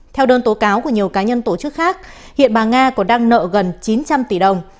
theo đơn tố cáo của nhiều cá nhân tổ chức khác hiện bà nga còn đang nợ gần chín trăm linh tỷ đồng